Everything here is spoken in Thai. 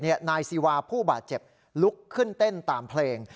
นายซีวาผู้บาดเจ็บลุกขึ้นเต้นตามเพลง